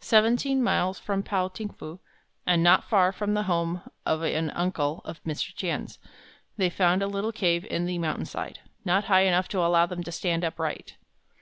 Seventeen miles from Pao ting fu, and not far from the home of an uncle of Mr. Tien's, they found a little cave in the mountainside, not high enough to allow them to stand upright.